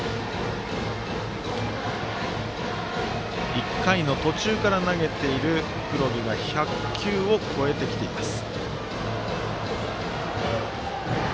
１回の途中から投げている黒木が１００球を超えてきています。